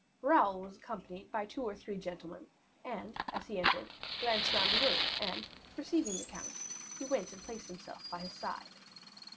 Raoul was accompanied by two or three gentlemen; and, as he entered, glanced round the room, and perceiving the count, he went and placed himself by his side.